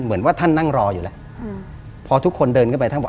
เหมือนว่าท่านนั่งรออยู่แล้วพอทุกคนเดินขึ้นไปท่านบอก